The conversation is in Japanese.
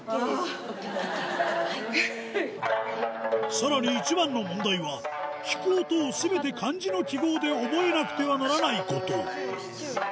さらに一番の問題は弾く音を全て漢字の記号で覚えなくてはならないこと